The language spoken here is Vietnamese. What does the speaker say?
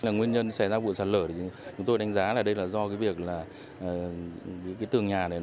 nguyên nhân xảy ra vụ sạt lở chúng tôi đánh giá là do việc tường nhà này